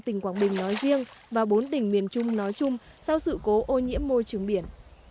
tỉnh quảng bình nói riêng và bốn tỉnh miền trung nói chung sau sự cố ô nhiễm môi trường biển